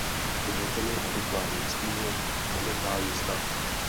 Dovolte mi, abych vám nastínil momentální stav.